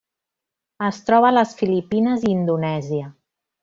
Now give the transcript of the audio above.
Es troba a les Filipines i Indonèsia.